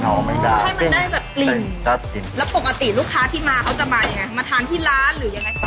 แล้วปกติลูกจ้าที่มาก็จะมาจะมีไหนมาทานที่ร้านหรือเป็นไก่อร่าท